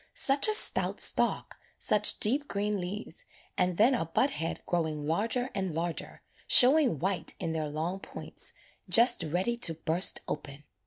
Such a stout stalk, such deep green leaves and then a bud head growing larger and larger, showing white in their long points, just ready to burst open.